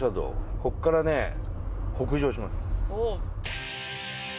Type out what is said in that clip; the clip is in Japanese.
ここからね北上します